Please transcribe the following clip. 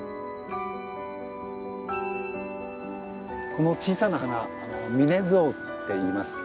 この小さな花ミネズオウっていいます。